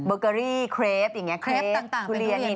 เบอร์เกอรี่ครีปอย่างนี้ครีปต่างเป็นทุเรียน